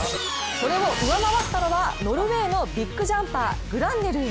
それを上回ったのはノルウェーのビッグジャンパーグランネルー。